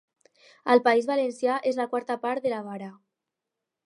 Al País Valencià és la quarta part de la vara.